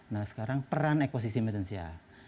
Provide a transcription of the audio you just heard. nah sekarang peran ekosisi medansia